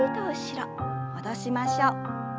戻しましょう。